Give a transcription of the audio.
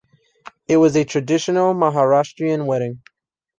It was a traditional Maharashtrian wedding.